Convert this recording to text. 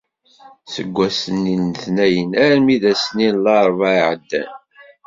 Seg wass-nni n letnayen armi d ass-nni n larebɛa iɛeddan.